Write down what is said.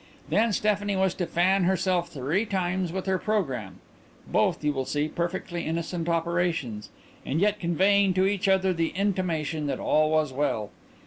Then Stephanie was to fan herself three times with her programme. Both, you will see, perfectly innocent operations, and yet conveying to each other the intimation that all was well.